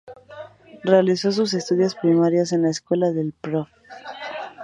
Realizó sus estudios primarios en la escuela del Profr.